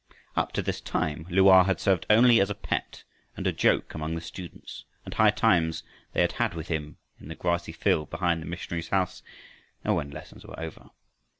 Up to this time Lu a had served only as a pet and a joke among the students, and high times they had with him in the grassy field behind the missionary's house when lessons were over.